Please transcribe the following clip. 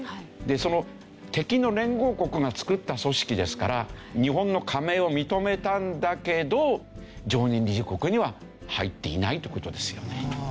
その敵の連合国が作った組織ですから日本の加盟を認めたんだけど常任理事国には入っていないって事ですよね。